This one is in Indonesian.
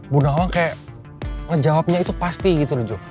bu nawang kayak ngejawabnya itu pasti gitu rejo